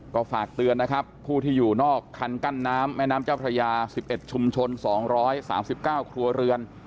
ก็ฝากเตือนนะครับผู้ที่อยู่นอกคันกั้นน้ำแม่น้ำเจ้าพระยา๑๑ชุมชน๒๓๙ครัวเรือน